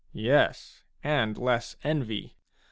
,, Yes, and less envy.